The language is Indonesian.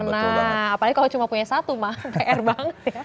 nah apalagi kalau cuma punya satu mah pr banget ya